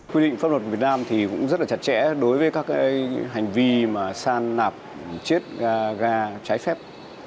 quy định pháp luật việt nam cũng rất chặt chẽ đối với các hành vi san nạp chiếc ga trái phép